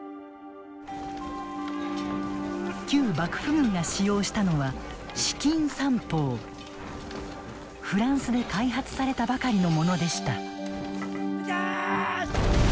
旧幕府軍が使用したのはフランスで開発されたばかりのものでした。